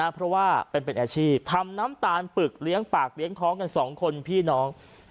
เพราะว่าเป็นอาชีพทำน้ำตาลปึกเลี้ยงปากเลี้ยงท้องกันสองคนพี่น้อง